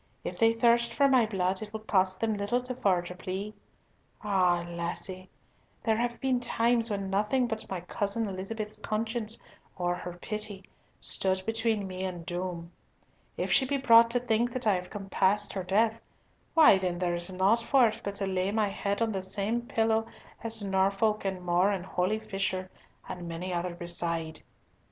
If they thirst for my blood, it will cost them little to forge a plea. Ah, lassie! there have been times when nothing but my cousin Elizabeth's conscience, or her pity, stood between me and doom. If she be brought to think that I have compassed her death, why then there is naught for it but to lay my head on the same pillow as Norfolk and More and holy Fisher, and many another beside.